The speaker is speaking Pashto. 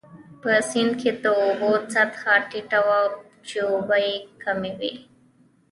په سیند کې د اوبو سطحه ټیټه وه، چې اوبه يې کمې وې.